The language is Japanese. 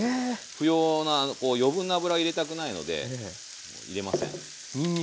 不要な余分な油を入れたくないので入れません。